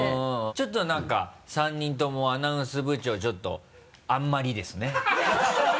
ちょっと何か３人ともアナウンス部長ちょっとあんまりですね。